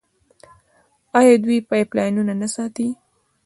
آیا دوی پایپ لاینونه نه ساتي؟